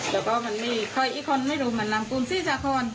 แล้วก็มันมีใครอีกคนไม่รู้มันลำคุณซี่ซะคน